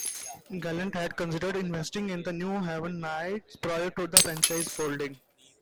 Galante had considered investing in the New Haven Knights prior to the franchise folding.